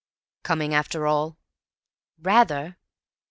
"Coming after all?" "Rather!"